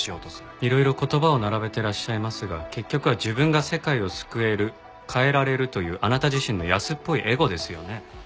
いろいろ言葉を並べてらっしゃいますが結局は自分が世界を救える変えられるというあなた自身の安っぽいエゴですよね。